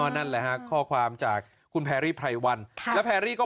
นั่นแหละฮะข้อความจากคุณแพรรี่ไพรวันแล้วแพรรี่ก็